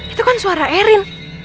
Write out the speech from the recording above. itu kan suara erin